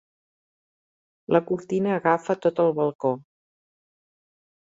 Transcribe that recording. La cortina agafa tot el balcó.